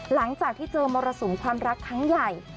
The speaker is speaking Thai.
หลังจากที่เจอมรสุมความรักครั้งใหญ่